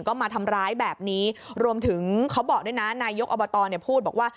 ก็มาทำร้ายแบบนี้รวมถึงเขาบอกด้วยนะนายกอบตเนี่ยพูดบอกว่า